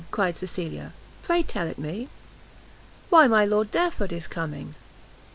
cried Cecilia, "pray tell it me." "Why my Lord Derford is coming!"